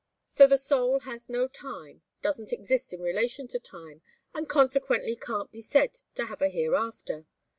So the soul has no time, doesn't exist in relation to time, and consequently can't be said to have a hereafter.